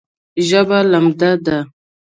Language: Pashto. ژبه لمده ده